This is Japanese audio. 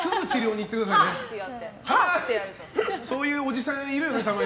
そういうおじさんいるよね。